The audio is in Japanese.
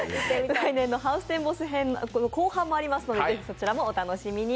来年のハウステンボス編後半もありますので、ぜひそちらもお楽しみに。